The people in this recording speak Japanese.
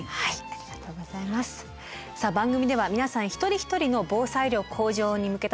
さあ番組では皆さん一人一人の防災力向上に向けた取り組み